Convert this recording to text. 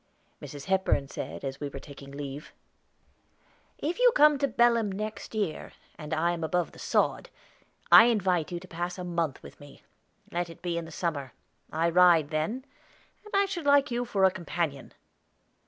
Mrs. Hepburn said, as we were taking leave: "If you come to Belem next year, and I am above the sod, I invite you to pass a month with me. But let it be in the summer. I ride then, and should like you for a companion."